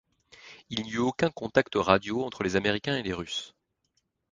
Il n'y eut aucun contact radio entre les Américains et les Russes.